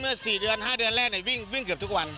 เมื่อก่อนนี่เมื่อ๔๕เดือนแรกวิ่งเกือบทุกวัน